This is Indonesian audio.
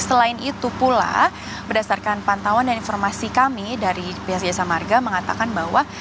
selain itu pula berdasarkan pantauan dan informasi kami dari pihak jasa marga mengatakan bahwa